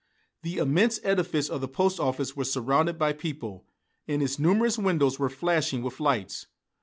The immense edifice of the post office was surrounded by people, and its numerous windows were flashing with lights.